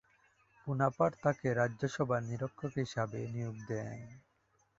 Bonaparte তাকে রাজ্যসভার নিরীক্ষক হিসেবে নিয়োগ দেন।